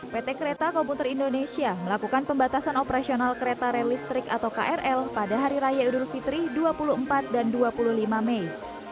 pt kereta komputer indonesia melakukan pembatasan operasional kereta relistrik atau krl pada hari raya idul fitri dua puluh empat dan dua puluh lima mei